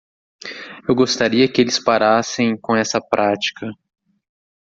Eu gostaria que eles parassem com essa prática.